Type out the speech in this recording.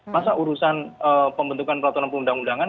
masa urusan pembentukan peraturan perundang undangan